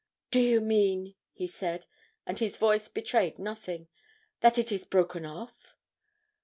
'Do you mean,' he said and his voice betrayed nothing 'that it is broken off?'